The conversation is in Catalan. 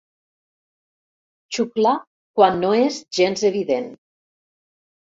Xuclar quan no és gens evident.